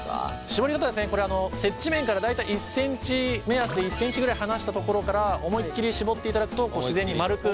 絞り方はこれ接地面から大体１ｃｍ目安で１ｃｍぐらい離したところから思いっきり絞っていただくと自然に丸く。